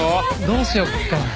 どうしよっかな。